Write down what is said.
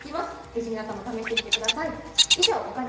ぜひ皆さんも試してみてください。